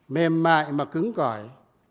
mềm mại mà cứng cỏi